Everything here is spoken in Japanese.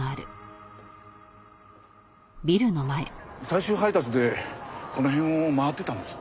最終配達でこの辺を回ってたんです。